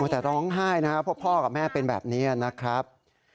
แต่ร้องไห้นะครับเพราะพ่อกับแม่เป็นแบบนี้นะครับ